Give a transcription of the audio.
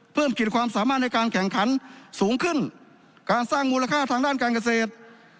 กิจความสามารถในการแข่งขันสูงขึ้นการสร้างมูลค่าทางด้านการเกษตร